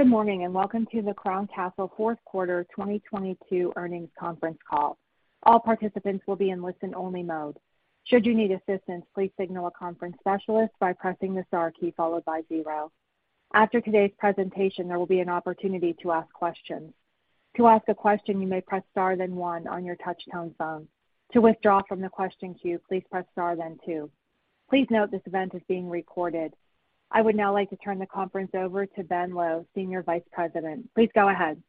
Good morning, and welcome to the Crown Castle fourth quarter 2022 earnings conference call. All participants will be in listen-only mode. Should you need assistance, please signal a conference specialist by pressing the star key followed by zero. After today's presentation, there will be an opportunity to ask questions. To ask a question, you may press star then one on your touchtone phone. To withdraw from the question queue, please press star then two. Please note this event is being recorded. I would now like to turn the conference over to Ben Lowe, Senior Vice President. Please go ahead.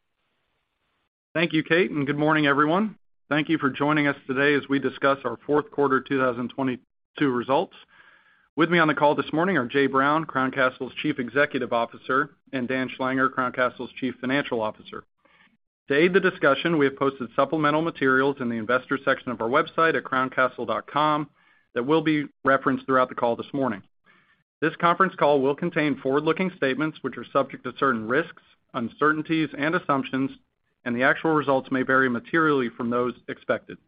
Thank you, Kate. Good morning, everyone. Thank you for joining us today as we discuss our fourth quarter 2022 results. With me on the call this morning are Jay Brown, Crown Castle's Chief Executive Officer, and Dan Schlanger, Crown Castle's Chief Financial Officer. To aid the discussion, we have posted supplemental materials in the investors section of our website at crowncastle.com that will be referenced throughout the call this morning. This conference call will contain forward-looking statements, which are subject to certain risks, uncertainties and assumptions, and the actual results may vary materially from those expected.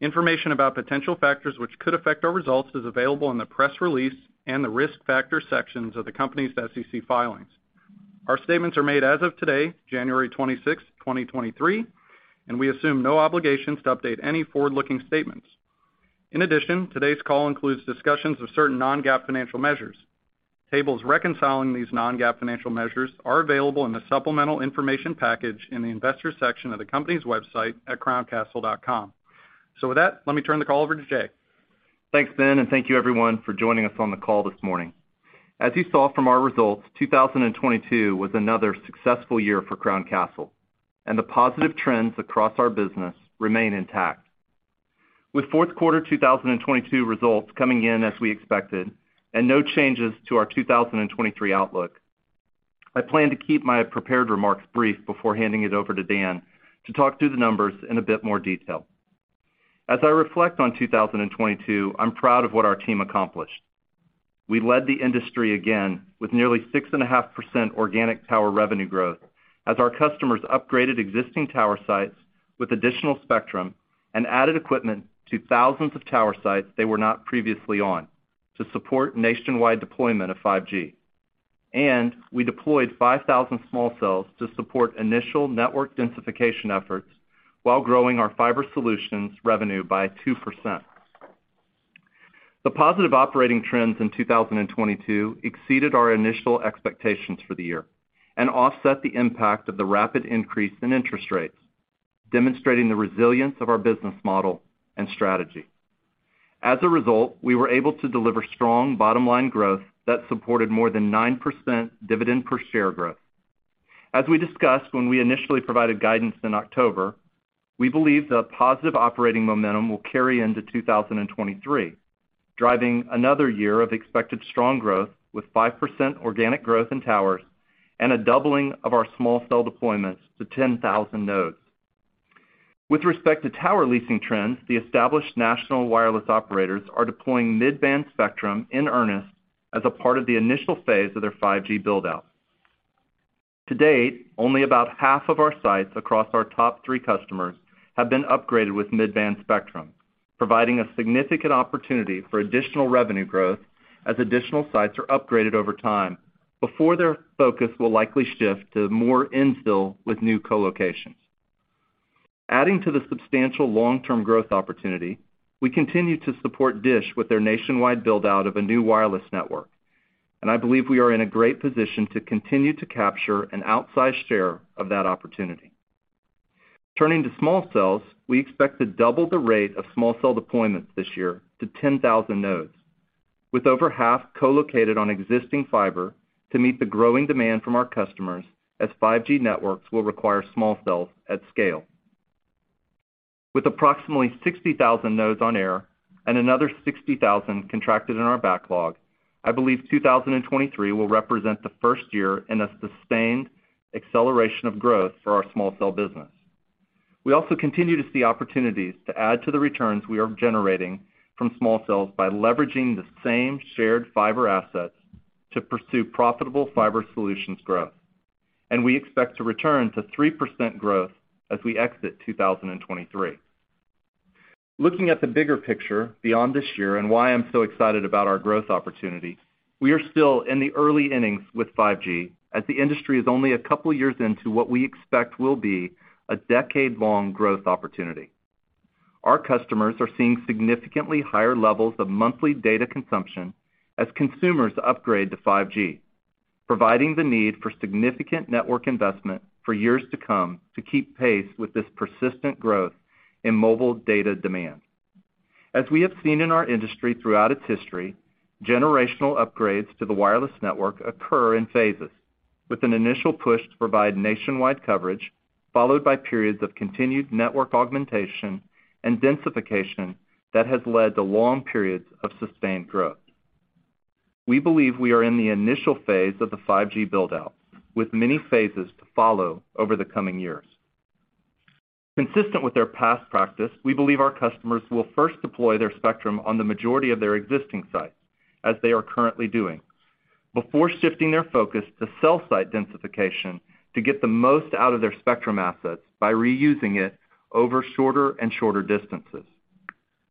Information about potential factors which could affect our results is available in the press release and the risk factors sections of the company's SEC filings. Our statements are made as of today, January 26th, 2023, and we assume no obligations to update any forward-looking statements. In addition, today's call includes discussions of certain non-GAAP financial measures. Tables reconciling these non-GAAP financial measures are available in the supplemental information package in the investors section of the company's website at crowncastle.com. With that, let me turn the call over to Jay. Thanks, Ben, and thank you everyone for joining us on the call this morning. As you saw from our results, 2022 was another successful year for Crown Castle, and the positive trends across our business remain intact. With fourth quarter 2022 results coming in as we expected and no changes to our 2023 outlook, I plan to keep my prepared remarks brief before handing it over to Dan to talk through the numbers in a bit more detail. As I reflect on 2022, I'm proud of what our team accomplished. We led the industry again with nearly 6.5 organic tower revenue growth as our customers upgraded existing tower sites with additional spectrum and added equipment to thousands of tower sites they were not previously on to support nationwide deployment of 5G. We deployed 5,000 small cells to support initial network densification efforts while growing our fiber solutions revenue by 2%. The positive operating trends in 2022 exceeded our initial expectations for the year and offset the impact of the rapid increase in interest rates, demonstrating the resilience of our business model and strategy. As a result, we were able to deliver strong bottom-line growth that supported more than 9% dividend per share growth. As we discussed when we initially provided guidance in October, we believe the positive operating momentum will carry into 2023, driving another year of expected strong growth with 5% organic growth in towers and a doubling of our small cell deployments to 10,000 nodes. With respect to tower leasing trends, the established national wireless operators are deploying mid-band spectrum in earnest as a part of the initial phase of their 5G build-out. To date, only about half of our sites across our top three customers have been upgraded with mid-band spectrum, providing a significant opportunity for additional revenue growth as additional sites are upgraded over time before their focus will likely shift to more infill with new co-locations. Adding to the substantial long-term growth opportunity, we continue to support DISH with their nationwide build-out of a new wireless network. I believe we are in a great position to continue to capture an outsized share of that opportunity. Turning to small cells, we expect to double the rate of small cell deployments this year to 10,000 nodes, with over half co-located on existing fiber to meet the growing demand from our customers as 5G networks will require small cells at scale. With approximately 60,000 nodes on air and another 60,000 contracted in our backlog, I believe 2023 will represent the first year in a sustained acceleration of growth for our small cell business. We also continue to see opportunities to add to the returns we are generating from small cells by leveraging the same shared fiber assets to pursue profitable fiber solutions growth, and we expect to return to 3% growth as we exit 2023. Looking at the bigger picture beyond this year and why I'm so excited about our growth opportunity, we are still in the early innings with 5G, as the industry is only two years into what we expect will be a 10-year growth opportunity. Our customers are seeing significantly higher levels of monthly data consumption as consumers upgrade to 5G, providing the need for significant network investment for years to come to keep pace with this persistent growth in mobile data demand. As we have seen in our industry throughout its history, generational upgrades to the wireless network occur in phases, with an initial push to provide nationwide coverage followed by periods of continued network augmentation and densification that has led to long periods of sustained growth. We believe we are in the initial phase of the 5G build-out, with many phases to follow over the coming years. Consistent with their past practice, we believe our customers will first deploy their spectrum on the majority of their existing sites, as they are currently doing, before shifting their focus to cell site densification to get the most out of their spectrum assets by reusing it over shorter and shorter distances.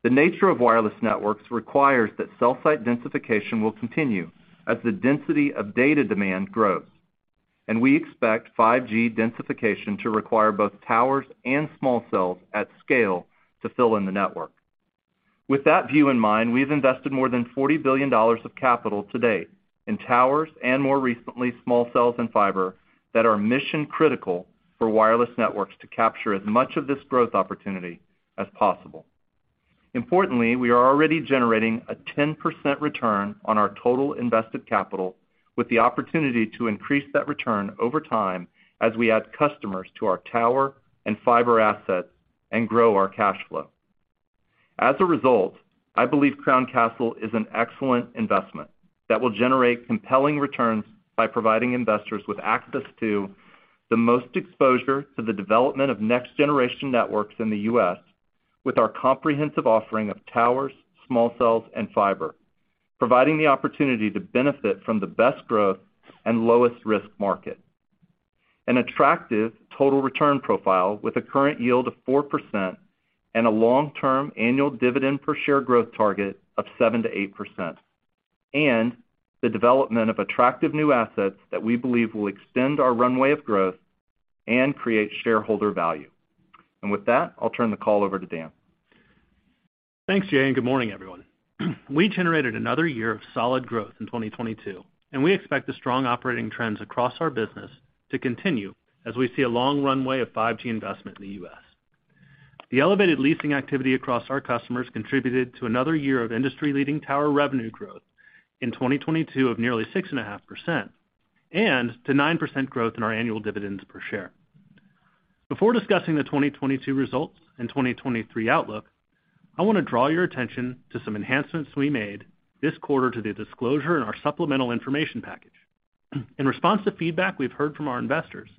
The nature of wireless networks requires that cell site densification will continue as the density of data demand grows, and we expect 5G densification to require both towers and small cells at scale to fill in the network. With that view in mind, we've invested more than $40 billion of capital to date in towers and, more recently, small cells and fiber that are mission-critical for wireless networks to capture as much of this growth opportunity as possible. Importantly, we are already generating a 10% return on our total invested capital, with the opportunity to increase that return over time as we add customers to our tower and fiber assets and grow our cash flow. As a result, I believe Crown Castle is an excellent investment that will generate compelling returns by providing investors with access to the most exposure to the development of next-generation networks in the U.S. with our comprehensive offering of towers, small cells, and fiber, providing the opportunity to benefit from the best growth and lowest risk market. An attractive total return profile with a current yield of 4% and a long-term annual dividend per share growth target of 7%-8%. The development of attractive new assets that we believe will extend our runway of growth and create shareholder value. With that, I'll turn the call over to Dan. Thanks, Jay. Good morning, everyone. We generated another year of solid growth in 2022, and we expect the strong operating trends across our business to continue as we see a long runway of 5G investment in the U.S. The elevated leasing activity across our customers contributed to another year of industry-leading tower revenue growth in 2022 of nearly 6.5%, and to 9% growth in our annual dividends per share. Before discussing the 2022 results and 2023 outlook, I wanna draw your attention to some enhancements we made this quarter to the disclosure in our supplemental information package. In response to feedback we've heard from our investors,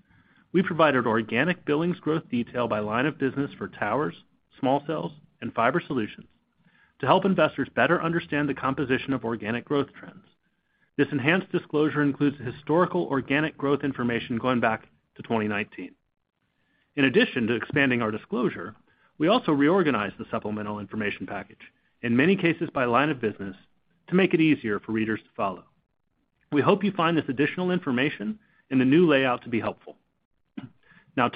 we provided organic billings growth detail by line of business for towers, small cells, and fiber solutions to help investors better understand the composition of organic growth trends. This enhanced disclosure includes historical organic growth information going back to 2019. In addition to expanding our disclosure, we also reorganized the supplemental information package, in many cases by line of business, to make it easier for readers to follow. We hope you find this additional information in the new layout to be helpful.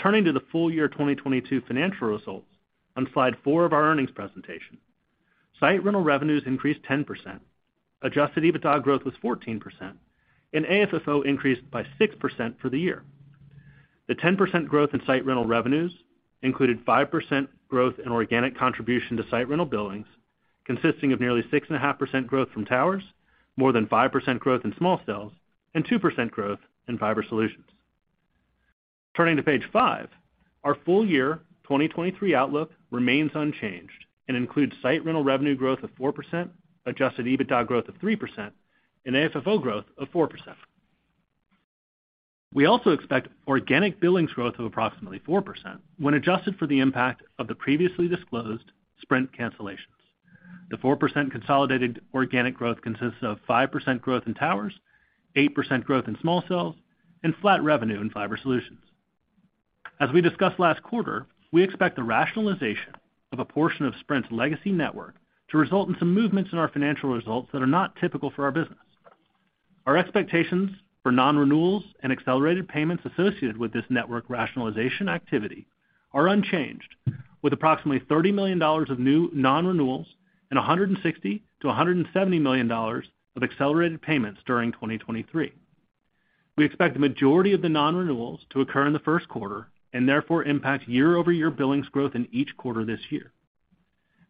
Turning to the full year 2022 financial results on Slide 4 of our earnings presentation. Site rental revenues increased 10%, Adjusted EBITDA growth was 14%, and AFFO increased by 6% for the year. The 10% growth in site rental revenues included 5% growth in Organic Contribution to Site Rental Billings, consisting of nearly 6.5% growth from towers, more than 5% growth in small cells, and 2% growth in fiber solutions. Turning to Page 5, our full year 2023 outlook remains unchanged and includes site rental revenue growth of 4%, adjusted EBITDA growth of 3%, and AFFO growth of 4%. We also expect organic billings growth of approximately 4% when adjusted for the impact of the previously disclosed Sprint cancellations. The 4% consolidated organic growth consists of 5% growth in towers, 8% growth in small cells, and flat revenue in fiber solutions. As we discussed last quarter, we expect the rationalization of a portion of Sprint's legacy network to result in some movements in our financial results that are not typical for our business. Our expectations for non-renewals and accelerated payments associated with this network rationalization activity are unchanged, with approximately $30 million of new non-renewals and $160 million-$170 million of accelerated payments during 2023. We expect the majority of the non-renewals to occur in the first quarter and therefore impact year-over-year billings growth in each quarter this year.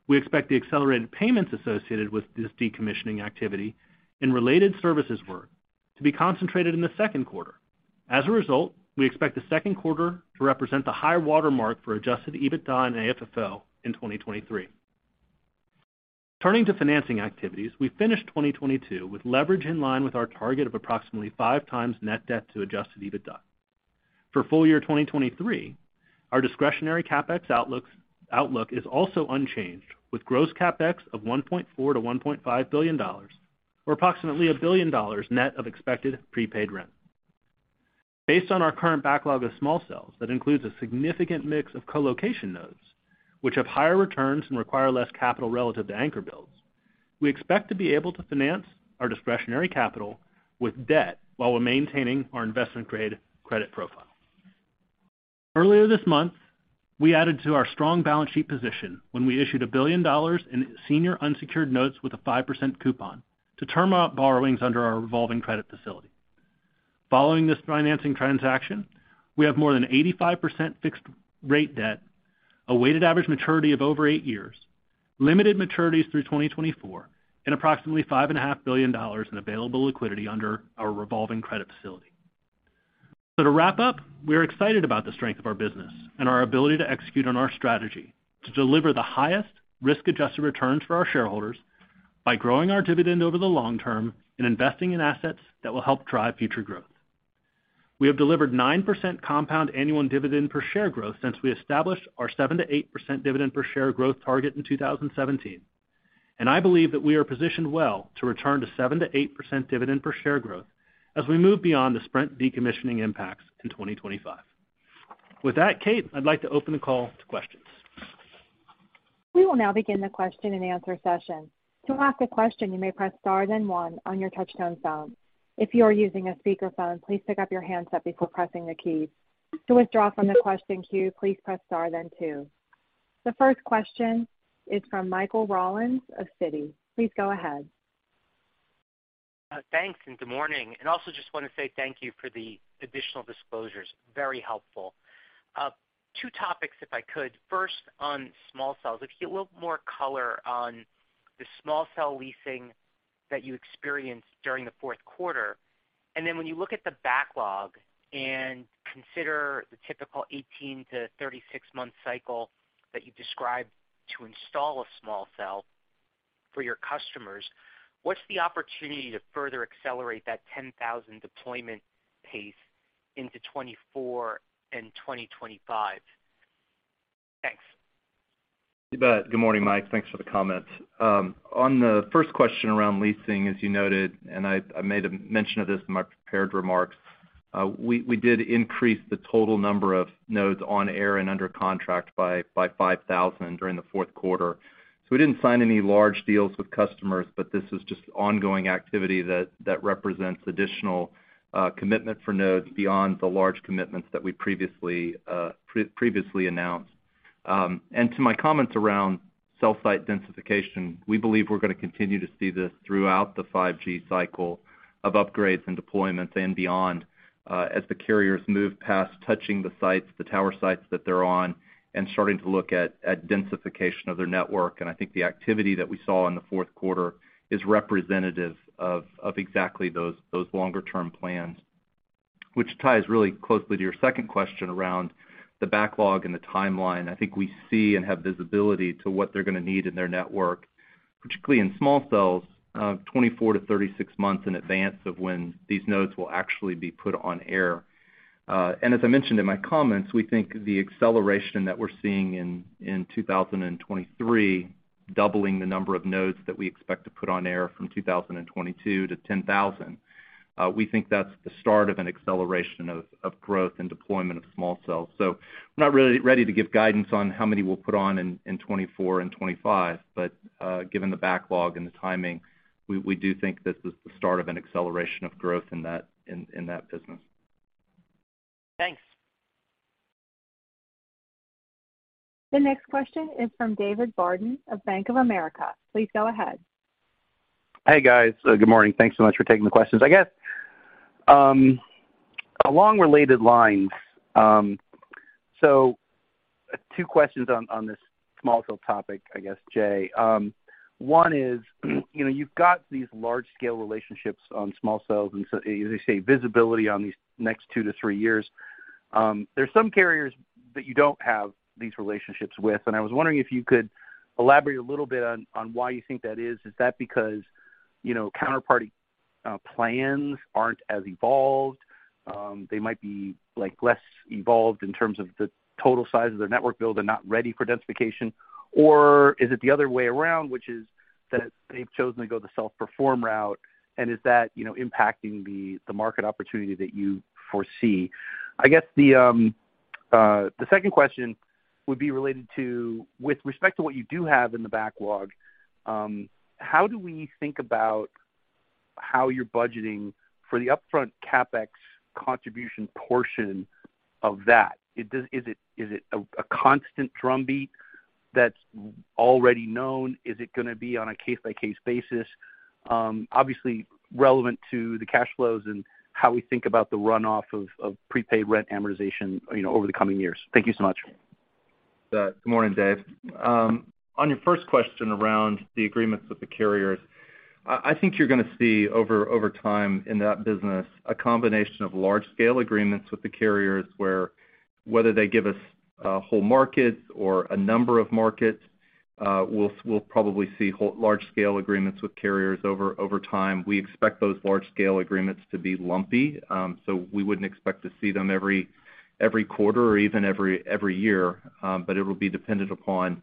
We expect the accelerated payments associated with this decommissioning activity and related services work to be concentrated in the second quarter. As a result, we expect the second quarter to represent the high-water mark for Adjusted EBITDA and AFFO in 2023. Turning to financing activities, we finished 2022 with leverage in line with our target of approximately 5x net debt to Adjusted EBITDA. For full year 2023, our discretionary CapEx outlook is also unchanged, with gross CapEx of $1.4 billion-$1.5 billion or approximately $1 billion net of expected prepaid rent. Based on our current backlog of small cells that includes a significant mix of colocation nodes, which have higher returns and require less capital relative to anchor builds, we expect to be able to finance our discretionary capital with debt while we're maintaining our investment-grade credit profile. Earlier this month, we added to our strong balance sheet position when we issued $1 billion in senior unsecured notes with a 5% coupon to term out borrowings under our revolving credit facility. Following this financing transaction, we have more than 85% fixed-rate debt, a weighted average maturity of over eight years, limited maturities through 2024, and approximately five and a half billion dollars in available liquidity under our revolving credit facility. To wrap up, we are excited about the strength of our business and our ability to execute on our strategy to deliver the highest risk-adjusted returns for our shareholders by growing our dividend over the long term and investing in assets that will help drive future growth. We have delivered 9% compound annual dividend per share growth since we established our 7%-8% dividend per share growth target in 2017. I believe that we are positioned well to return to 7%-8% dividend per share growth as we move beyond the Sprint decommissioning impacts in 2025. With that, Kate, I'd like to open the call to questions. We will now begin the question-and-answer session. To ask a question, you may press star one on your touchtone phone. If you are using a speakerphone, please pick up your handset before pressing the key. To withdraw from the question queue, please press star then two. The first question is from Michael Rollins of Citi. Please go ahead. Thanks and good morning. Also just wanna say thank you for the additional disclosures. Very helpful. Two topics, if I could. First, on small cells. If you have a little more color on the small cell leasing that you experienced during the fourth quarter. Then when you look at the backlog and consider the typical 18-36 month cycle that you described to install a small cell for your customers, what's the opportunity to further accelerate that 10,000 deployment pace into 2024 and 2025? Thanks. You bet. Good morning, Michael Rollins. Thanks for the comment. On the first question around leasing, as you noted, and I made a mention of this in my prepared remarks, we did increase the total number of nodes on air and under contract by 5,000 during the fourth quarter. We didn't sign any large deals with customers, but this was just ongoing activity that represents additional commitment for nodes beyond the large commitments that we previously announced. To my comments around cell site densification, we believe we're gonna continue to see this throughout the 5G cycle of upgrades and deployments and beyond, as the carriers move past touching the sites, the tower sites that they're on, and starting to look at densification of their network. I think the activity that we saw in the fourth quarter is representative of exactly those longer term plans, which ties really closely to your second question around the backlog and the timeline. I think we see and have visibility to what they're gonna need in their network, particularly in small cells, 24-36 months in advance of when these nodes will actually be put on air. As I mentioned in my comments, we think the acceleration that we're seeing in 2023, doubling the number of nodes that we expect to put on air from 2022 to 10,000, we think that's the start of an acceleration of growth and deployment of small cells. We're not really ready to give guidance on how many we'll put on in 2024 and 2025, but given the backlog and the timing, we do think this is the start of an acceleration of growth in that business. Thanks. The next question is from David Barden of Bank of America. Please go ahead. Hey, guys. Good morning. Thanks so much for taking the questions. I guess, along related lines, two questions on this small cell topic, I guess, Jay. One is, you know, you've got these large scale relationships on small cells, as you say, visibility on these next two to three years. There's some carriers that you don't have these relationships with, and I was wondering if you could elaborate a little bit on why you think that is. Is that because, you know, counterparty plans aren't as evolved? They might be, like, less evolved in terms of the total size of their network build and not ready for densification. Or is it the other way around, which is that they've chosen to go the self-perform route? Is that, you know, impacting the market opportunity that you foresee? I guess the second question would be related to, with respect to what you do have in the backlog, how do we think about how you're budgeting for the upfront CapEx contribution portion of that? Is it a constant drumbeat that's already known? Is it gonna be on a case-by-case basis? obviously relevant to the cash flows and how we think about the runoff of prepaid rent amortization, you know, over the coming years. Thank you so much. Good morning, Dave. On your first question around the agreements with the carriers, I think you're gonna see over time in that business a combination of large scale agreements with the carriers where whether they give us whole markets or a number of markets, we'll probably see whole large scale agreements with carriers over time. We expect those large scale agreements to be lumpy. We wouldn't expect to see them every quarter or even every year. It will be dependent upon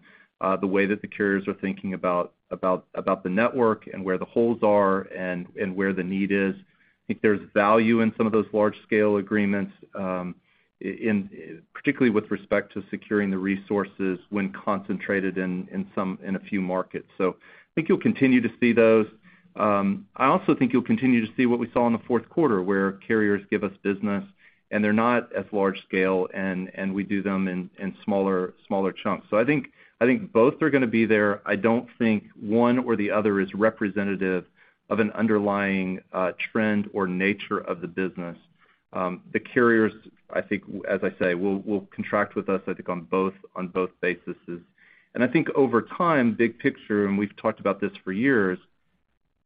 the way that the carriers are thinking about the network and where the holes are and where the need is. I think there's value in some of those large scale agreements, in, particularly with respect to securing the resources when concentrated in a few markets. I think you'll continue to see those. I also think you'll continue to see what we saw in the fourth quarter, where carriers give us business and they're not as large scale and we do them in smaller chunks. I think both are gonna be there. I don't think one or the other is representative of an underlying trend or nature of the business. The carriers, I think, as I say, will contract with us, I think, on both basis. I think over time, big picture, and we've talked about this for years,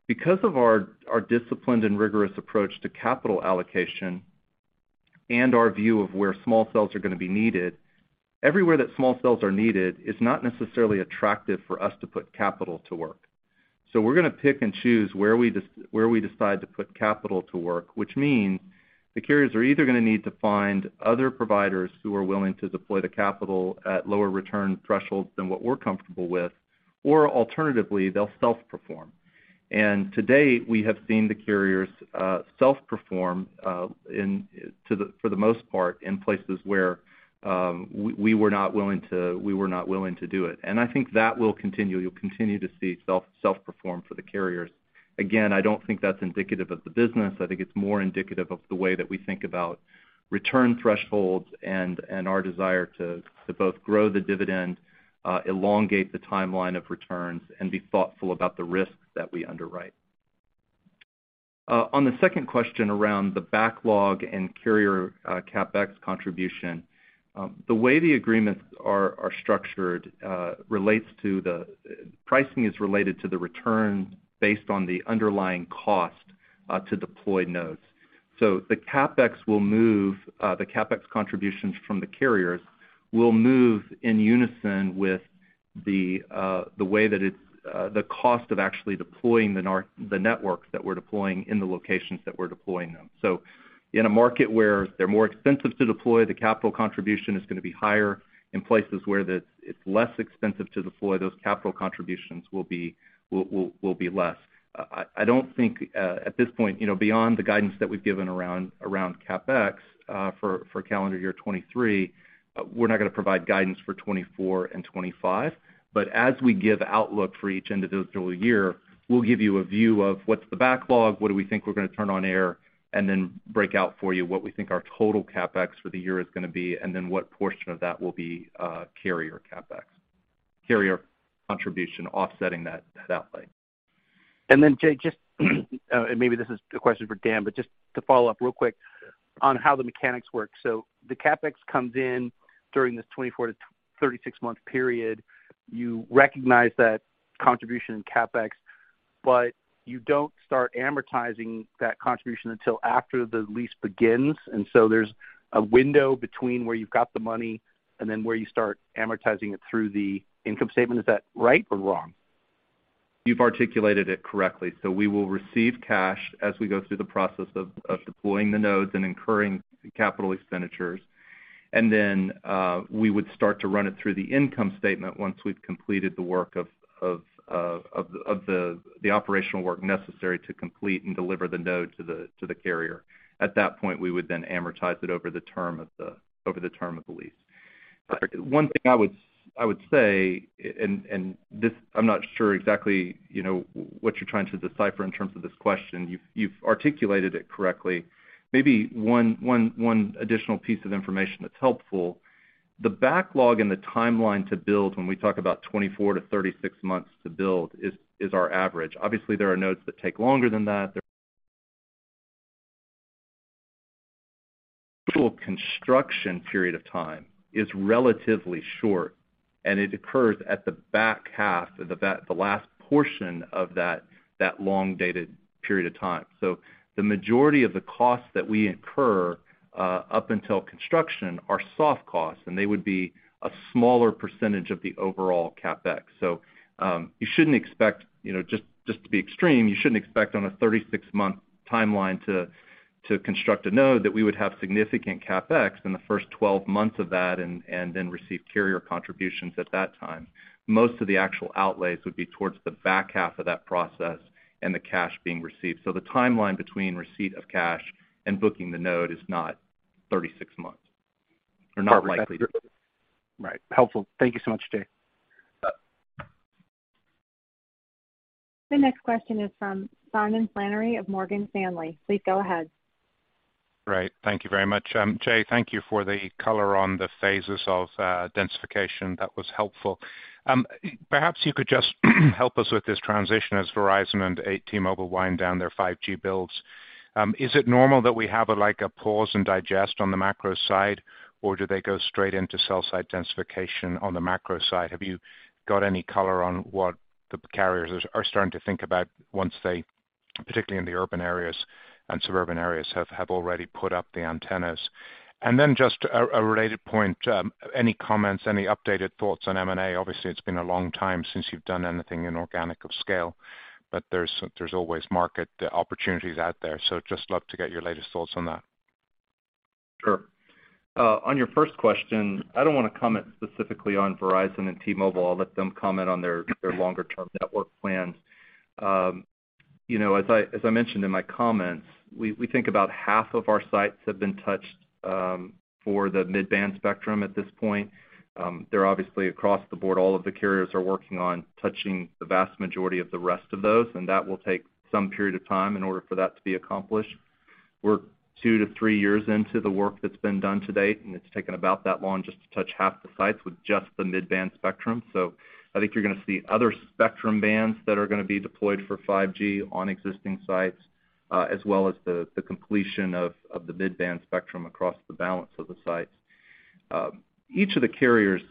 because of our disciplined and rigorous approach to capital allocation and our view of where small cells are gonna be needed, everywhere that small cells are needed, it's not necessarily attractive for us to put capital to work. We're gonna pick and choose where we decide to put capital to work, which means the carriers are either gonna need to find other providers who are willing to deploy the capital at lower return thresholds than what we're comfortable with, or alternatively, they'll self-perform. And to date, we have seen the carriers self-perform for the most part, in places where we were not willing to, we were not willing to do it. I think that will continue. You'll continue to see self-perform for the carriers. Again, I don't think that's indicative of the business. I think it's more indicative of the way that we think about return thresholds and our desire to both grow the dividend, elongate the timeline of returns and be thoughtful about the risks that we underwrite. On the second question around the backlog and carrier CapEx contribution, the way the agreements are structured relates to the pricing is related to the return based on the underlying cost to deploy nodes. The CapEx will move, the CapEx contributions from the carriers will move in unison with the way that it's the cost of actually deploying the networks that we're deploying in the locations that we're deploying them. In a market where they're more expensive to deploy, the capital contribution is gonna be higher. In places where it's less expensive to deploy, those capital contributions will be less. I don't think, at this point, you know, beyond the guidance that we've given around CapEx, for calendar year 2023, we're not gonna provide guidance for 2024 and 2025. As we give outlook for each end of those through the year, we'll give you a view of what's the backlog, what do we think we're gonna turn on air, and then break out for you what we think our total CapEx for the year is gonna be, and then what portion of that will be, carrier CapEx, carrier contribution offsetting that outlay. Jay, just, maybe this is a question for Dan, but just to follow up real quick on how the mechanics work. The CapEx comes in during this 24-36 month period. You recognize that contribution in CapEx, but you don't start amortizing that contribution until after the lease begins. There's a window between where you've got the money and then where you start amortizing it through the income statement. Is that right or wrong? You've articulated it correctly. We will receive cash as we go through the process of deploying the nodes and incurring capital expenditures. We would start to run it through the income statement once we've completed the work of the operational work necessary to complete and deliver the node to the carrier. At that point, we would then amortize it over the term of the lease. Perfect. One thing I would say, and this, I'm not sure exactly, you know, what you're trying to decipher in terms of this question. You've articulated it correctly. Maybe one additional piece of information that's helpful, the backlog and the timeline to build when we talk about 24-36 months to build is our average. Obviously, there are nodes that take longer than that. There full construction period of time is relatively short, and it occurs at the back half, the last portion of that long dated period of time. The majority of the costs that we incur up until construction are soft costs, and they would be a smaller percentage of the overall CapEx. You shouldn't expect, you know, just to be extreme, you shouldn't expect on a 36-month timeline to construct a node that we would have significant CapEx in the first 12 months of that and then receive carrier contributions at that time. Most of the actual outlays would be towards the back half of that process and the cash being received. The timeline between receipt of cash and booking the node is not 36 months or not likely. Right. Helpful. Thank you so much, Jay. The next question is from Simon Flannery of Morgan Stanley. Please go ahead. Great. Thank you very much. Jay, thank you for the color on the phases of densification. That was helpful. Perhaps you could just help us with this transition as Verizon and T-Mobile wind down their 5G builds. Is it normal that we have, like, a pause and digest on the macro side, or do they go straight into cell site densification on the macro side? Have you got any color on what the carriers are starting to think about once they, particularly in the urban areas and suburban areas, have already put up the antennas? Just a related point, any comments, any updated thoughts on M&A? Obviously, it's been a long time since you've done anything inorganic of scale, but there's always market opportunities out there. Just love to get your latest thoughts on that. Sure. On your first question, I don't wanna comment specifically on Verizon and T-Mobile. I'll let them comment on their longer-term network plans. You know, as I mentioned in my comments, we think about half of our sites have been touched for the mid-band spectrum at this point. They're obviously across the board. All of the carriers are working on touching the vast majority of the rest of those, and that will take some period of time in order for that to be accomplished. We're two to three years into the work that's been done to date, and it's taken about that long just to touch half the sites with just the mid-band spectrum. I think you're gonna see other spectrum bands that are gonna be deployed for 5G on existing sites, as well as the completion of the mid-band spectrum across the balance of the sites. Each of the carriers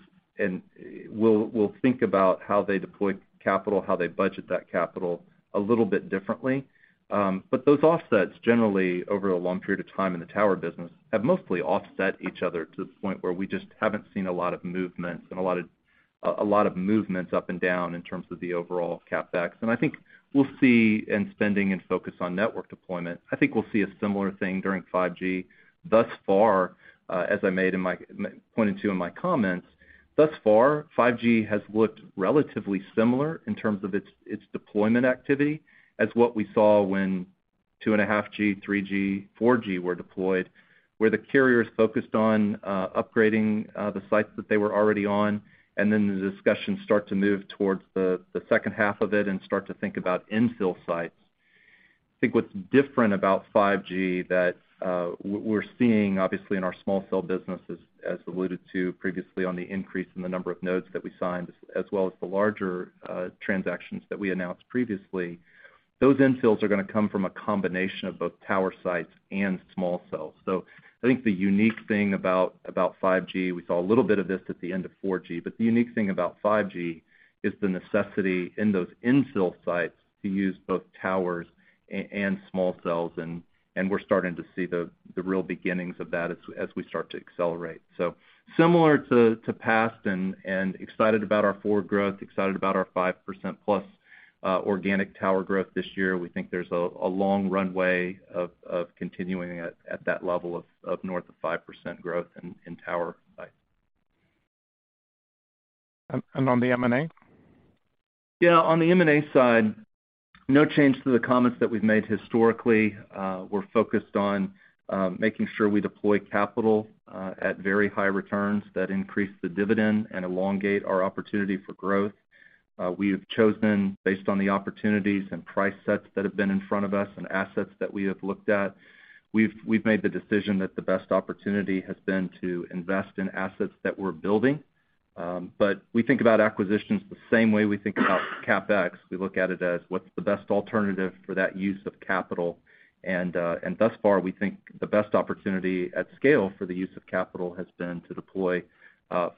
will think about how they deploy capital, how they budget that capital a little bit differently. Those offsets generally over a long period of time in the tower business have mostly offset each other to the point where we just haven't seen a lot of movement and a lot of movements up and down in terms of the overall CapEx. I think we'll see in spending and focus on network deployment, I think we'll see a similar thing during 5G. Thus far, as I pointed to in my comments, thus far, 5G has looked relatively similar in terms of its deployment activity as what we saw when 2.5G, 3G, 4G were deployed, where the carrier is focused on upgrading the sites that they were already on, and then the discussions start to move towards the second half of it and start to think about infill sites. I think what's different about 5G that we're seeing obviously in our small cell businesses as alluded to previously on the increase in the number of nodes that we signed as well as the larger transactions that we announced previously, those infills are gonna come from a combination of both tower sites and small cells. I think the unique thing about 5G, we saw a little bit of this at the end of 4G. The unique thing about 5G is the necessity in those infill sites to use both towers and small cells, and we're starting to see the real beginnings of that as we start to accelerate. Similar to past and excited about our forward growth, excited about our 5% plus organic tower growth this year. We think there's a long runway of continuing at that level of north of 5% growth in tower sites. On the M&A? Yeah. On the M&A side, no change to the comments that we've made historically. We're focused on making sure we deploy capital at very high returns that increase the dividend and elongate our opportunity for growth. We have chosen based on the opportunities and price sets that have been in front of us and assets that we have looked at. We've made the decision that the best opportunity has been to invest in assets that we're building. But we think about acquisitions the same way we think about CapEx. We look at it as what's the best alternative for that use of capital. Thus far, we think the best opportunity at scale for the use of capital has been to deploy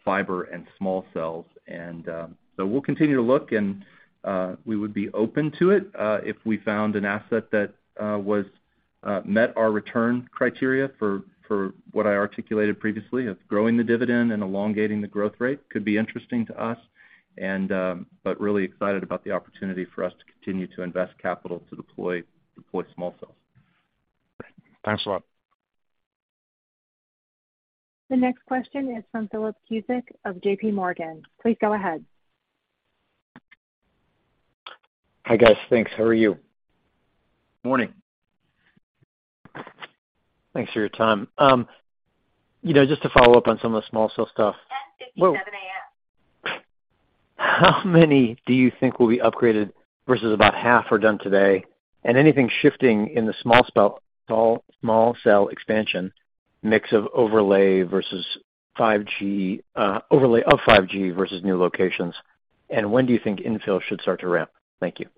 fiber and small cells. We'll continue to look, and we would be open to it, if we found an asset that was met our return criteria for what I articulated previously of growing the dividend and elongating the growth rate could be interesting to us. Really excited about the opportunity for us to continue to invest capital to deploy small cells. Thanks a lot. The next question is from Philip Cusick of J.P. Morgan. Please go ahead. Hi, guys. Thanks. How are you? Morning. Thanks for your time. you know, just to follow-up on some of the small cell stuff. 10:57 A.M. How many do you think will be upgraded versus about half are done today? Anything shifting in the small cell expansion mix of overlay versus 5G, overlay of 5G versus new locations? When do you think infill should start to ramp? Thank you.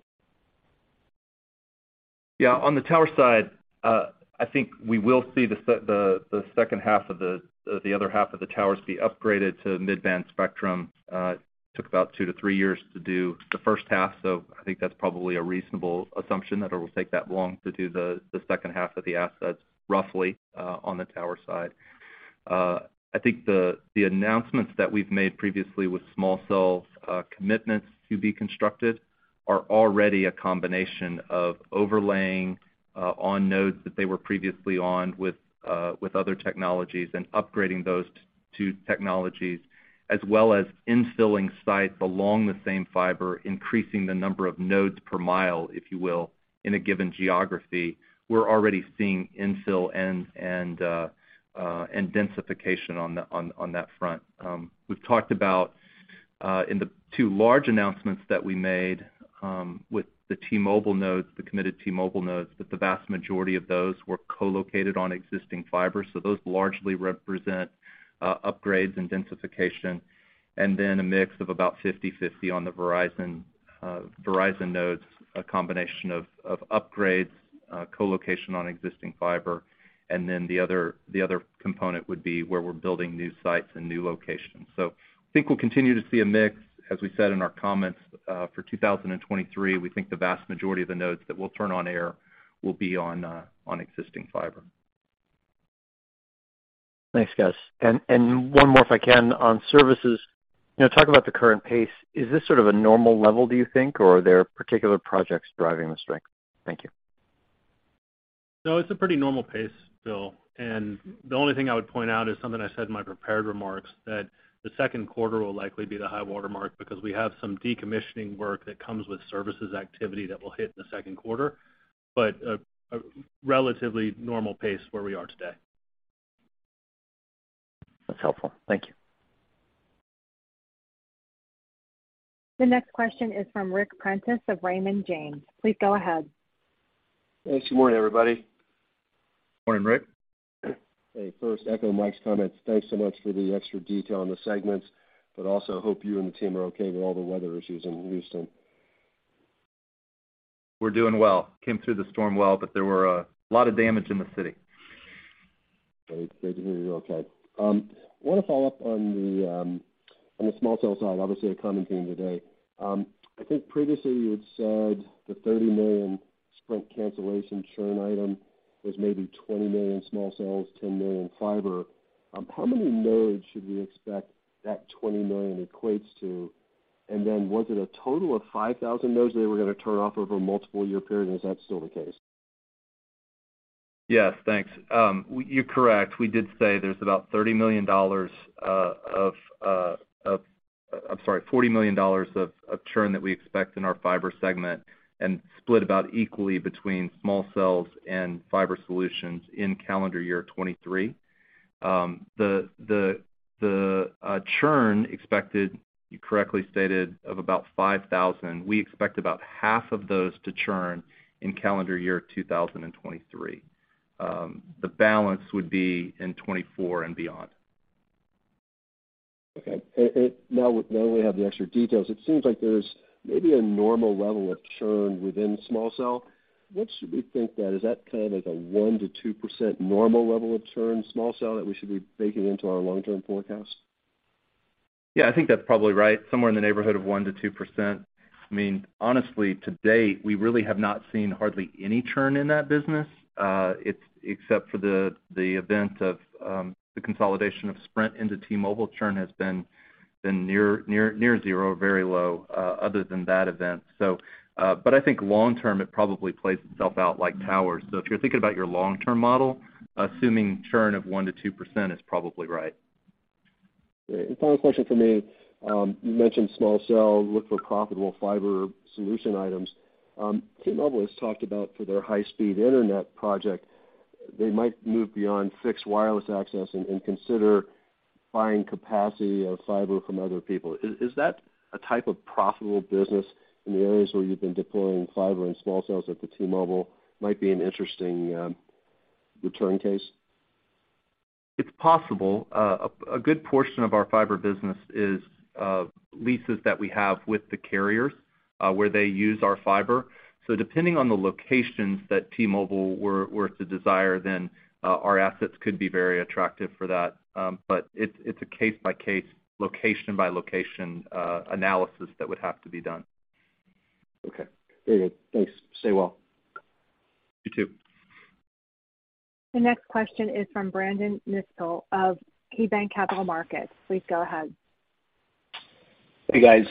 Yeah. On the tower side, I think we will see the second half of the other half of the towers be upgraded to mid-band spectrum. Took about two to three years to do the first half, so I think that's probably a reasonable assumption that it will take that long to do the second half of the assets, roughly, on the tower side. I think the announcements that we've made previously with small cells, commitments to be constructed are already a combination of overlaying on nodes that they were previously on with other technologies and upgrading those two technologies, as well as infilling sites along the same fiber, increasing the number of nodes per mile, if you will, in a given geography. We're already seeing infill and densification on that front. We've talked about in the two large announcements that we made with the T-Mobile nodes, the committed T-Mobile nodes, that the vast majority of those were co-located on existing fiber. Those largely represent upgrades and densification. A mix of about 50/50 on the Verizon nodes, a combination of upgrades, co-location on existing fiber, and then the other component would be where we're building new sites and new locations. I think we'll continue to see a mix. As we said in our comments, for 2023, we think the vast majority of the nodes that we'll turn on air will be on existing fiber. Thanks, guys. One more if I can on services. You know, talk about the current pace. Is this sort of a normal level, do you think, or are there particular projects driving the strength? Thank you. No, it's a pretty normal pace, Phil, and the only thing I would point out is something I said in my prepared remarks, that the second quarter will likely be the high watermark because we have some decommissioning work that comes with services activity that will hit in the second quarter. A relatively normal pace where we are today. That's helpful. Thank you. The next question is from Ric Prentiss of Raymond James. Please go ahead. Thanks. Good morning, everybody. Morning, Ric. Hey. First, echo Mike's comments. Thanks so much for the extra detail on the segments, but also hope you and the team are okay with all the weather issues in Houston. We're doing well. Came through the storm well, but there were a lot of damage in the city. Great. Great to hear you're okay. wanna follow up on the small cell side, obviously a common theme today. I think previously you had said the $30 million Sprint cancellation churn item was maybe $20 million small cells, $10 million fiber. How many nodes should we expect that $20 million equates to? Was it a total of 5,000 nodes they were gonna turn off over a multiple year period, and is that still the case? Yes, thanks. You're correct. We did say there's about $30 million of, I'm sorry, $40 million of churn that we expect in our fiber segment and split about equally between small cells and fiber solutions in calendar year 2023. The churn expected, you correctly stated, of about 5,000, we expect about half of those to churn in calendar year 2023. The balance would be in 2024 and beyond. Okay. Now that we have the extra details, it seems like there's maybe a normal level of churn within small cell. What should we think that, is that kind of like a 1%-2% normal level of churn, small cell, that we should be baking into our long-term forecast? Yeah, I think that's probably right, somewhere in the neighborhood of 1%-2%. I mean, honestly, to date, we really have not seen hardly any churn in that business. Except for the event of the consolidation of Sprint into T-Mobile, churn has been near zero, very low, other than that event. I think long term, it probably plays itself out like towers. If you're thinking about your long-term model, assuming churn of 1% to 2% is probably right. Great. Final question for me. You mentioned small cell, look for profitable fiber solution items. T-Mobile has talked about for their high-speed internet project, they might move beyond fixed wireless access and consider buying capacity of fiber from other people. Is that a type of profitable business in the areas where you've been deploying fiber and small cells that the T-Mobile might be an interesting return case? It's possible. A good portion of our fiber business is leases that we have with the carriers, where they use our fiber. Depending on the locations that T-Mobile were to desire, then our assets could be very attractive for that. It's a case-by-case, location-by-location analysis that would have to be done. Okay. Very good. Thanks. Stay well. You too. The next question is from Brandon Nispel of KeyBanc Capital Markets. Please go ahead. Hey, guys.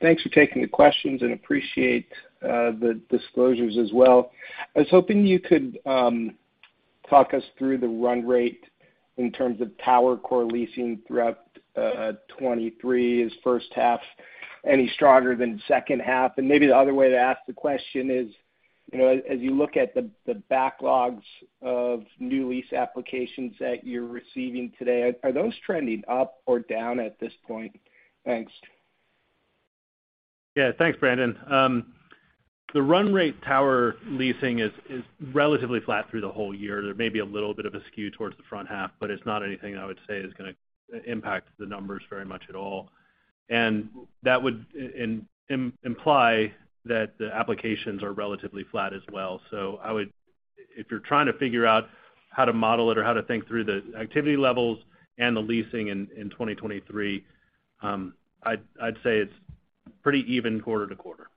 Thanks for taking the questions and appreciate the disclosures as well. I was hoping you could talk us through the run rate in terms of tower core leasing throughout 2023. Is first half any stronger than second half? Maybe the other way to ask the question is, you know, as you look at the backlogs of new lease applications that you're receiving today, are those trending up or down at this point? Thanks. Thanks, Brandon. The run rate tower leasing is relatively flat through the whole year. There may be a little bit of a skew towards the front half, but it's not anything I would say is gonna impact the numbers very much at all. That would imply that the applications are relatively flat as well. If you're trying to figure out how to model it or how to think through the activity levels and the leasing in 2023, I'd say it's pretty even quarter-to-quarter.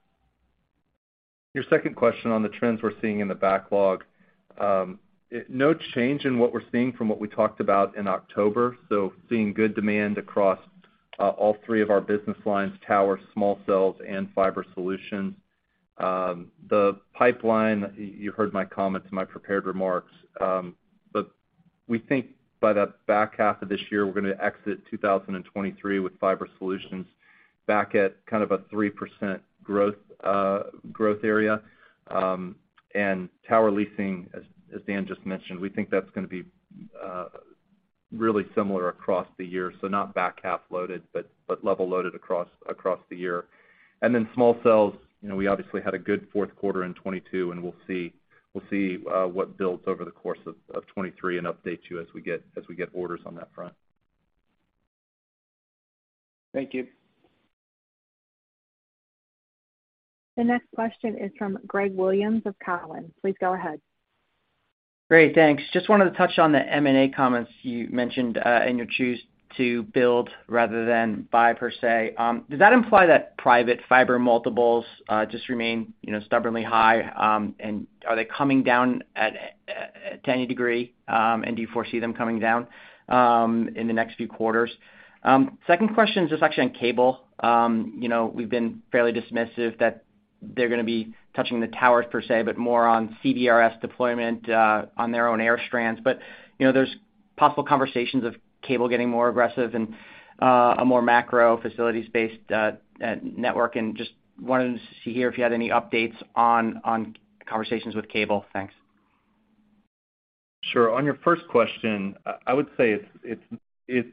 Your second question on the trends we're seeing in the backlog, no change in what we're seeing from what we talked about in October. Seeing good demand across all three of our business lines, towers, small cells and fiber solutions. The pipeline, you heard my comments in my prepared remarks, we think by the back half of this year, we're gonna exit 2023 with fiber solutions back at kind of a 3% growth area. Tower leasing, as Dan just mentioned, we think that's gonna be really similar across the year. Not back half loaded, but level loaded across the year. Small cells, you know, we obviously had a good fourth quarter in 2022, and we'll see what builds over the course of 2023 and update you as we get orders on that front. Thank you. The next question is from Greg Williams of Cowen. Please go ahead. Great, thanks. Just wanted to touch on the M&A comments you mentioned, and you choose to build rather than buy per se. Does that imply that private fiber multiples just remain, you know, stubbornly high? Are they coming down at any degree? Do you foresee them coming down in the next few quarters? Second question is just actually on cable. You know, we've been fairly dismissive that they're gonna be touching the towers per se, but more on CBRS deployment on their own air strands. You know, there's possible conversations of cable getting more aggressive and a more macro facilities-based network. Just wanted to see here if you had any updates on conversations with cable. Thanks. Sure. On your first question, I would say it's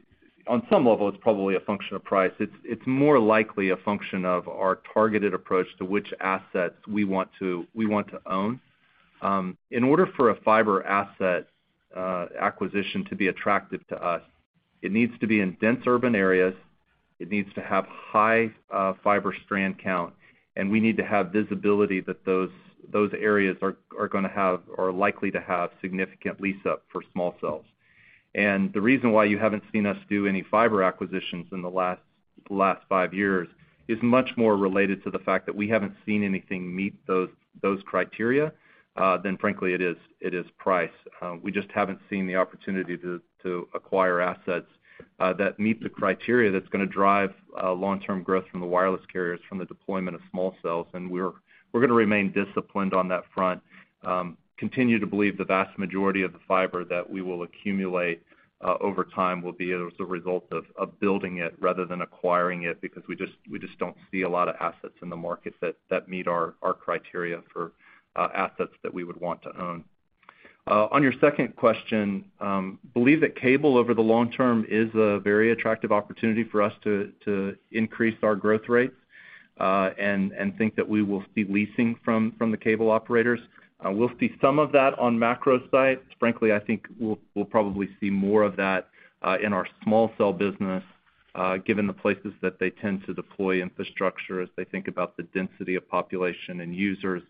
on some level, it's probably a function of price. It's more likely a function of our targeted approach to which assets we want to own. In order for a fiber asset acquisition to be attractive to us, it needs to be in dense urban areas, it needs to have high fiber strand count, and we need to have visibility that those areas are gonna have, or are likely to have significant lease up for small cells. The reason why you haven't seen us do any fiber acquisitions in the last five years is much more related to the fact that we haven't seen anything meet those criteria than frankly it is price. We just haven't seen the opportunity to acquire assets that meet the criteria that's gonna drive long-term growth from the wireless carriers from the deployment of small cells. We're gonna remain disciplined on that front. Continue to believe the vast majority of the fiber that we will accumulate over time will be as a result of building it rather than acquiring it because we just, we just don't see a lot of assets in the market that meet our criteria for assets that we would want to own. On your second question, believe that cable over the long term is a very attractive opportunity for us to increase our growth rates. Think that we will see leasing from the cable operators. We'll see some of that on macro sites. Frankly, I think we'll probably see more of that in our small cell business, given the places that they tend to deploy infrastructure as they think about the density of population and users.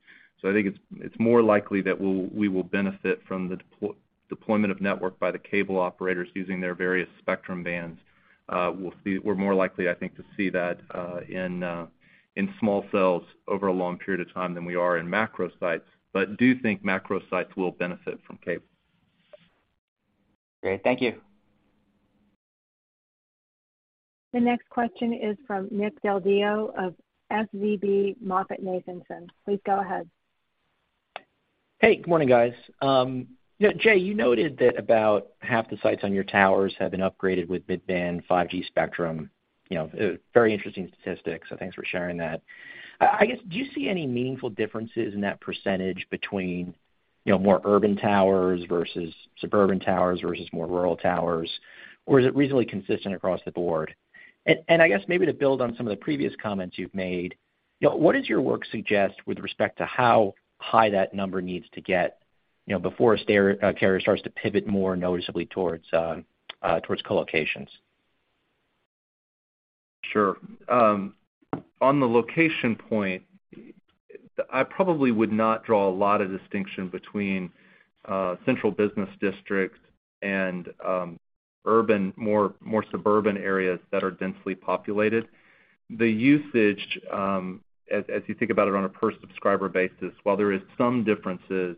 I think it's more likely that we will benefit from the deployment of network by the cable operators using their various spectrum bands. We're more likely, I think, to see that in small cells over a long period of time than we are in macro sites. Do think macro sites will benefit from cable. Great. Thank you. The next question is from Nick Del Deo of SVB MoffettNathanson. Please go ahead. Hey, good morning, guys. Yeah, Jay, you noted that about half the sites on your towers have been upgraded with mid-band 5G spectrum. You know, very interesting statistics, so thanks for sharing that. I guess, do you see any meaningful differences in that percentage between, you know, more urban towers versus suburban towers versus more rural towers? Is it reasonably consistent across the board? I guess maybe to build on some of the previous comments you've made, you know, what does your work suggest with respect to how high that number needs to get, you know, before a carrier starts to pivot more noticeably towards co-locations? Sure. On the location point, I probably would not draw a lot of distinction between central business districts and more suburban areas that are densely populated. The usage, as you think about it on a per subscriber basis, while there is some differences,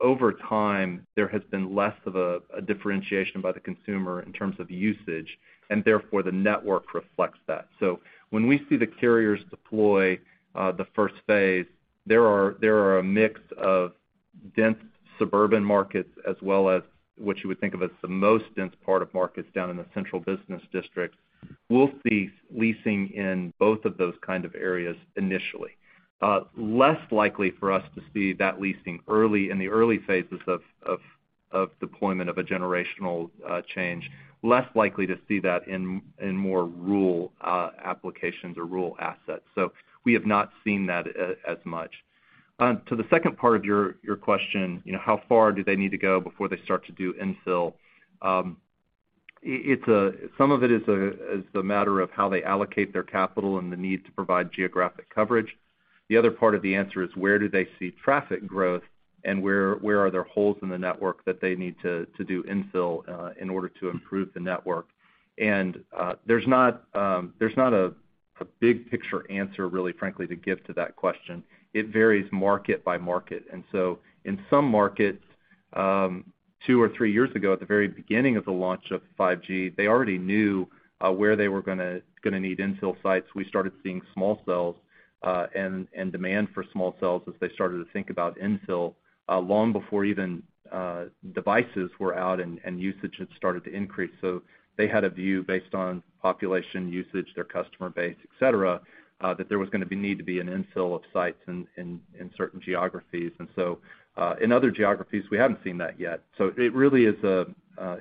over time, there has been less of a differentiation by the consumer in terms of usage, and therefore the network reflects that. When we see the carriers deploy the first phase, there are a mix of dense suburban markets as well as what you would think of as the most dense part of markets down in the central business districts. We'll see leasing in both of those kind of areas initially. Less likely for us to see that leasing early in the early phases of deployment of a generational change, less likely to see that in more rural applications or rural assets. We have not seen that as much. To the second part of your question, you know, how far do they need to go before they start to do infill? It's a some of it is a matter of how they allocate their capital and the need to provide geographic coverage. The other part of the answer is where do they see traffic growth and where are there holes in the network that they need to do infill in order to improve the network. There's not there's not a big picture answer really, frankly, to give to that question. It varies market by market. In some markets, two or three years ago, at the very beginning of the launch of 5G, they already knew where they were gonna need infill sites. We started seeing small cells and demand for small cells as they started to think about infill long before even devices were out and usage had started to increase. They had a view based on population usage, their customer base, et cetera, that there was need to be an infill of sites in certain geographies. In other geographies, we haven't seen that yet. It really is a,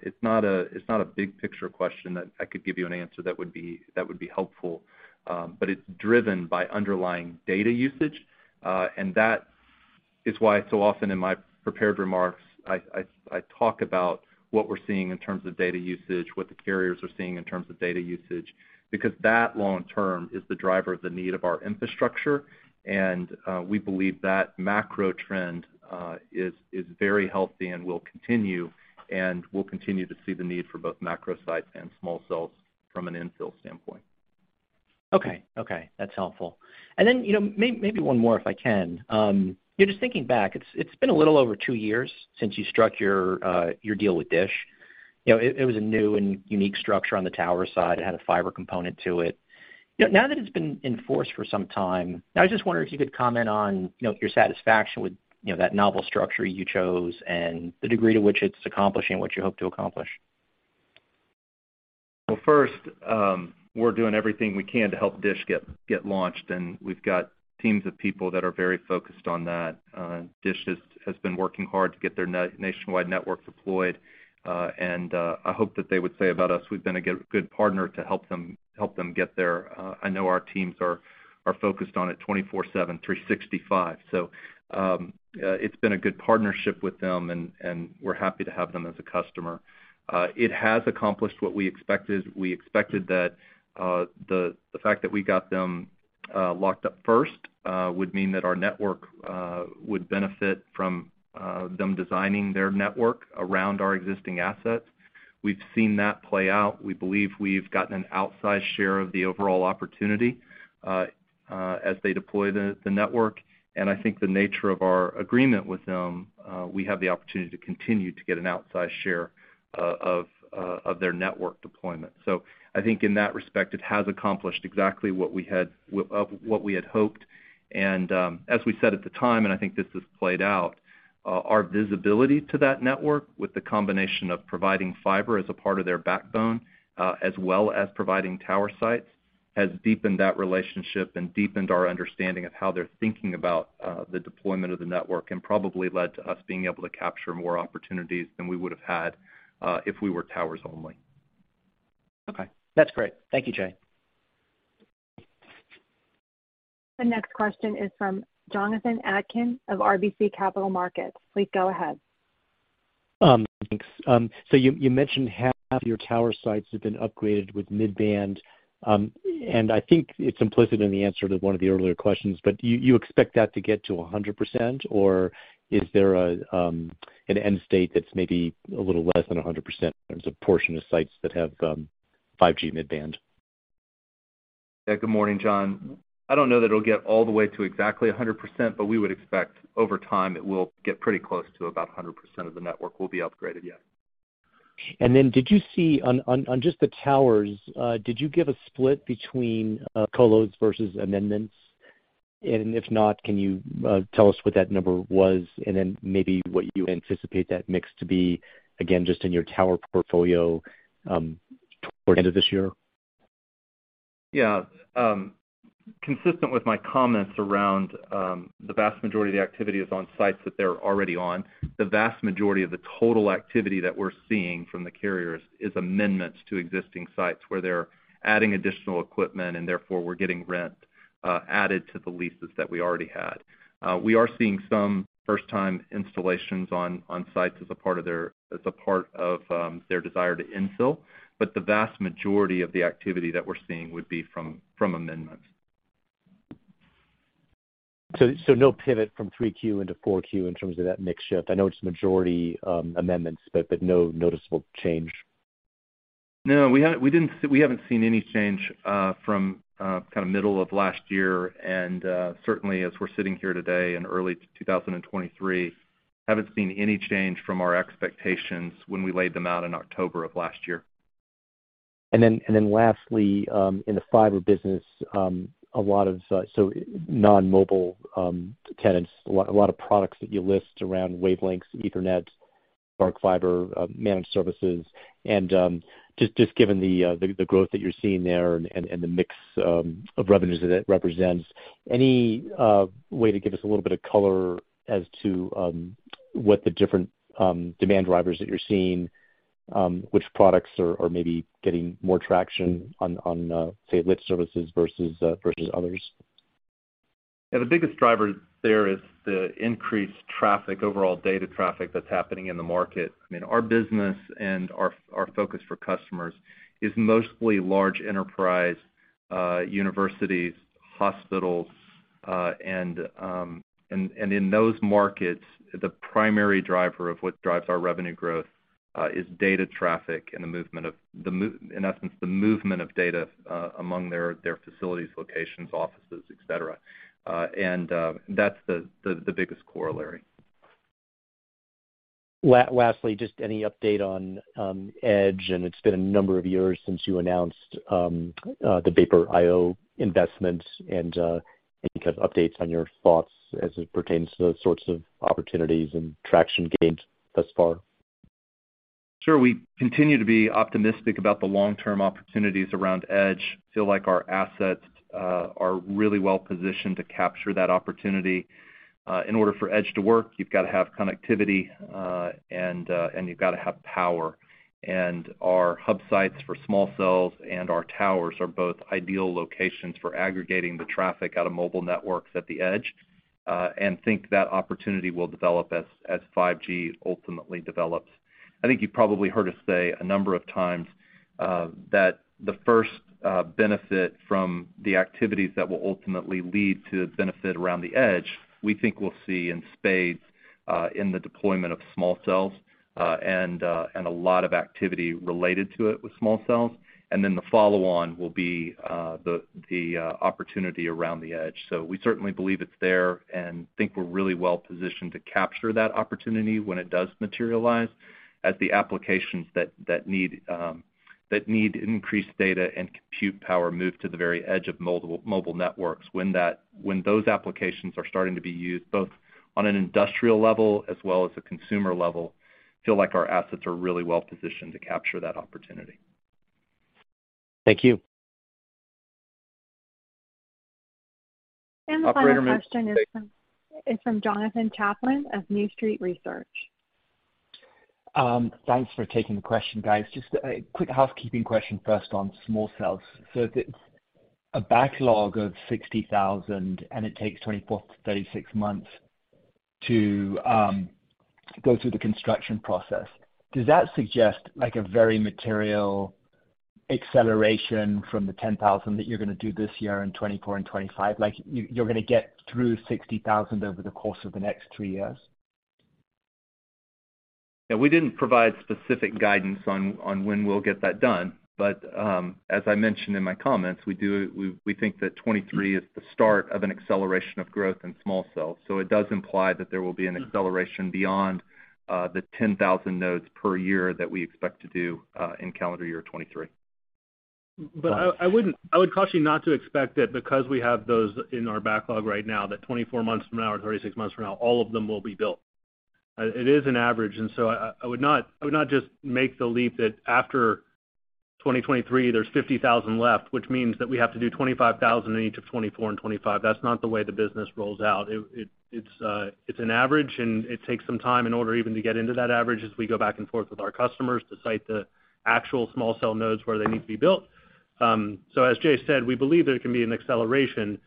it's not a, it's not a big picture question that I could give you an answer that would be, that would be helpful. It's driven by underlying data usage. That is why so often in my prepared remarks, I talk about what we're seeing in terms of data usage, what the carriers are seeing in terms of data usage, because that long term is the driver of the need of our infrastructure. We believe that macro trend is very healthy and will continue, and we'll continue to see the need for both macro sites and small cells from an infill standpoint. Okay, okay. That's helpful. you know, maybe one more, if I can? yeah, just thinking back, it's been a little over two years since you struck your deal with DISH. You know, it was a new and unique structure on the tower side. It had a fiber component to it. You know, now that it's been in force for some time, I just wonder if you could comment on, you know, your satisfaction with, you know, that novel structure you chose and the degree to which it's accomplishing what you hope to accomplish? Well, first, we're doing everything we can to help DISH get launched, and we've got teams of people that are very focused on that. DISH has been working hard to get their nationwide network deployed. I hope that they would say about us we've been a good partner to help them get there. I know our teams are focused on it 24/7, 365. It's been a good partnership with them and we're happy to have them as a customer. It has accomplished what we expected. We expected that the fact that we got them locked up first would mean that our network would benefit from them designing their network around our existing assets. We've seen that play out. We believe we've gotten an outsized share of the overall opportunity as they deploy the network. I think the nature of our agreement with them, we have the opportunity to continue to get an outsized share of their network deployment. I think in that respect, it has accomplished exactly what we had hoped. As we said at the time, and I think this has played out, our visibility to that network with the combination of providing fiber as a part of their backbone, as well as providing tower sites, has deepened that relationship and deepened our understanding of how they're thinking about the deployment of the network, and probably led to us being able to capture more opportunities than we would have had if we were towers only. Okay. That's great. Thank you, Jay. The next question is from Jonathan Atkin of RBC Capital Markets. Please go ahead. Thanks. You mentioned half your tower sites have been upgraded with mid-band. I think it's implicit in the answer to one of the earlier questions, you expect that to get to 100%? Is there an end state that's maybe a little less than 100% in terms of portion of sites that have, 5G mid-band? Yeah. Good morning, Jon. I don't know that it'll get all the way to exactly 100%, but we would expect over time it will get pretty close to about 100% of the network will be upgraded, yeah. Did you see on just the towers, did you give a split between colos versus amendments, and if not, can you tell us what that number was and then maybe what you anticipate that mix to be, again, just in your tower portfolio, toward the end of this year? Yeah. consistent with my comments around the vast majority of the activity is on sites that they're already on. The vast majority of the total activity that we're seeing from the carriers is amendments to existing sites, where they're adding additional equipment and therefore we're getting rent added to the leases that we already had. we are seeing some first-time installations on sites as a part of their desire to infill, but the vast majority of the activity that we're seeing would be from amendments. No pivot from 3Q into 4Q in terms of that mix shift. I know it's majority amendments, but no noticeable change. No. We haven't seen any change, from kind of middle of last year and certainly as we're sitting here today in early 2023, haven't seen any change from our expectations when we laid them out in October of last year. Lastly, in the fiber business, so non-mobile tenants, a lot of products that you list around wavelengths, Ethernet, dark fiber, managed services. Just given the growth that you're seeing there and the mix of revenues that it represents, any way to give us a little bit of color as to what the different demand drivers that you're seeing, which products are maybe getting more traction on say lit services versus others? The biggest driver there is the increased traffic, overall data traffic that's happening in the market. I mean, our business and our focus for customers is mostly large enterprise, universities, hospitals. And in those markets, the primary driver of what drives our revenue growth is data traffic and in essence, the movement of data among their facilities, locations, offices, et cetera. And that's the biggest corollary. Lastly, just any update on Edge, and it's been a number of years since you announced the Vapor IO investment and any kind of updates on your thoughts as it pertains to those sorts of opportunities and traction gains thus far? Sure. We continue to be optimistic about the long-term opportunities around Edge. Feel like our assets are really well-positioned to capture that opportunity. In order for Edge to work, you've gotta have connectivity and you've gotta have power. Our hub sites for small cells and our towers are both ideal locations for aggregating the traffic out of mobile networks at the edge and think that opportunity will develop as 5G ultimately develops. I think you've probably heard us say a number of times that the first benefit from the activities that will ultimately lead to benefit around the edge, we think we'll see in spades in the deployment of small cells and a lot of activity related to it with small cells. The follow-on will be the opportunity around the edge. We certainly believe it's there and think we're really well-positioned to capture that opportunity when it does materialize as the applications that need increased data and compute power move to the very edge of mobile networks. When those applications are starting to be used, both on an industrial level as well as a consumer level, feel like our assets are really well-positioned to capture that opportunity. Thank you. The final question is from Jonathan Chaplin of New Street Research. Thanks for taking the question, guys. Just a quick housekeeping question first on small cells. If it's a backlog of 60,000 and it takes 24-36 months to go through the construction process, does that suggest like a very material acceleration from the 10,000 that you're gonna do this year in 2024 and 2025? Like, you're gonna get through 60,000 over the course of the next three years? Yeah. We didn't provide specific guidance on when we'll get that done. As I mentioned in my comments, we think that 2023 is the start of an acceleration of growth in small cells. It does imply that there will be an acceleration beyond the 10,000 nodes per year that we expect to do in calendar year 2023. I would caution you not to expect it because we have those in our backlog right now, that 24 months from now or 36 months from now, all of them will be built. It is an average, I would not just make the leap that after 2023, there's 50,000 left, which means that we have to do 25,000 in each of 2024 and 2025. That's not the way the business rolls out. It's an average, and it takes some time in order even to get into that average as we go back and forth with our customers to site the actual small cell nodes where they need to be built. As Jay said, we believe there can be an acceleration,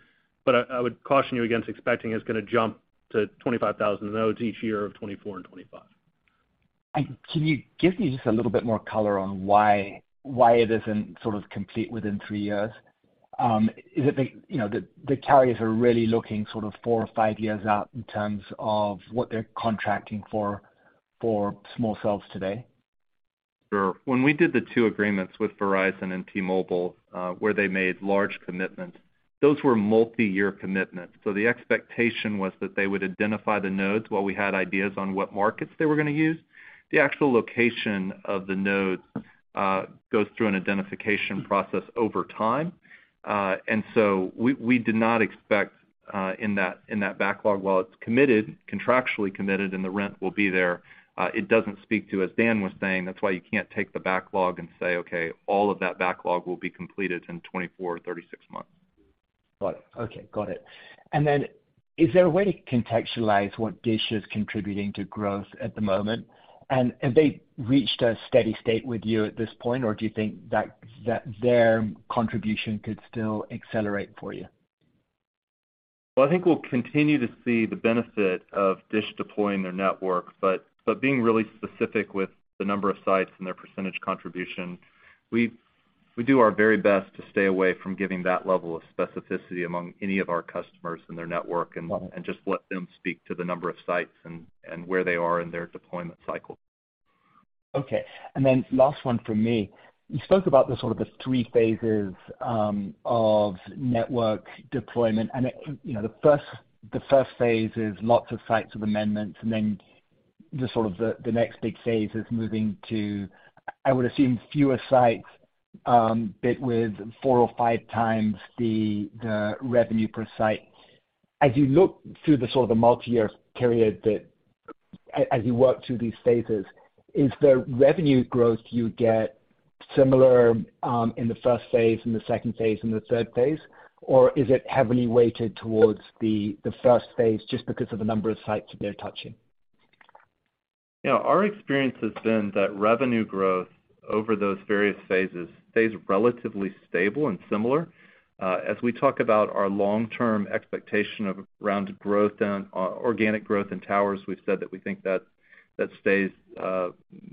but I would caution you against expecting it's gonna jump to 25,000 nodes each year of 2024 and 2025. Can you give me just a little bit more color on why it isn't sort of complete within three years? Is it that, you know, the carriers are really looking sort of four or five years out in terms of what they're contracting for small cells today? Sure. When we did the two agreements with Verizon and T-Mobile, where they made large commitments, those were multi-year commitments. The expectation was that they would identify the nodes while we had ideas on what markets they were gonna use. The actual location of the nodes, goes through an identification process over time. So we did not expect, in that, in that backlog, while it's committed, contractually committed, and the rent will be there, it doesn't speak to, as Dan was saying, that's why you can't take the backlog and say, "Okay, all of that backlog will be completed in 24, 36 months. Got it. Okay, got it. Is there a way to contextualize what DISH is contributing to growth at the moment? Have they reached a steady state with you at this point, or do you think that their contribution could still accelerate for you? I think we'll continue to see the benefit of DISH deploying their network, but being really specific with the number of sites and their percent contribution, we do our very best to stay away from giving that level of specificity among any of our customers and their network. Got it. Just let them speak to the number of sites and where they are in their deployment cycle. Last one from me. You spoke about the sort of the three phases of network deployment. You know, the first phase is lots of sites with amendments, and then the sort of the next big phase is moving to, I would assume, fewer sites, but with four or five times the revenue per site. As you look through the sort of the multi-year period as you work through these phases, is the revenue growth you get similar in the first phase, in the second phase, in the third phase? Is it heavily weighted towards the first phase just because of the number of sites that they're touching? Yeah. Our experience has been that revenue growth over those various phases stays relatively stable and similar. As we talk about our long-term expectation around growth, organic growth in towers, we've said that we think that stays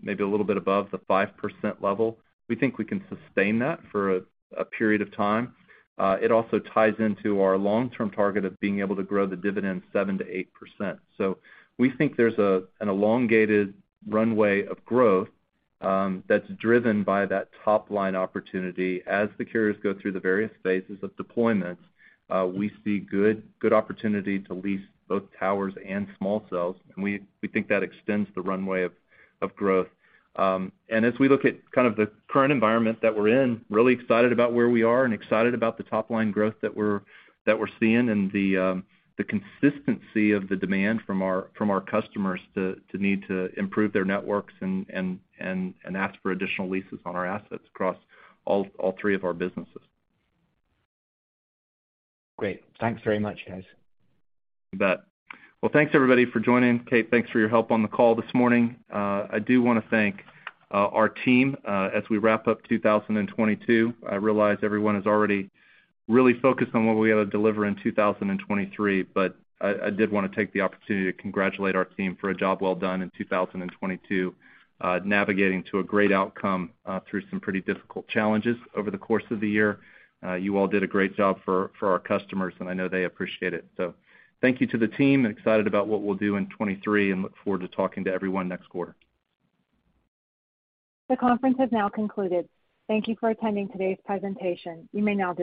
maybe a little bit above the 5% level. We think we can sustain that for a period of time. It also ties into our long-term target of being able to grow the dividend 7%-8%. We think there's an elongated runway of growth that's driven by that top-line opportunity. As the carriers go through the various phases of deployment, we see good opportunity to lease both towers and small cells. We think that extends the runway of growth. As we look at kind of the current environment that we're in, really excited about where we are and excited about the top-line growth that we're seeing and the consistency of the demand from our customers to need to improve their networks and ask for additional leases on our assets across all three of our businesses. Great. Thanks very much, guys. You bet. Well, thanks everybody for joining. Kate, thanks for your help on the call this morning. I do wanna thank our team as we wrap up 2022. I realize everyone is already really focused on what we gotta deliver in 2023, but I did wanna take the opportunity to congratulate our team for a job well done in 2022, navigating to a great outcome through some pretty difficult challenges over the course of the year. You all did a great job for our customers, and I know they appreciate it. Thank you to the team, and excited about what we'll do in 2023, and look forward to talking to everyone next quarter. The conference has now concluded. Thank you for attending today's presentation. You may now disconnect.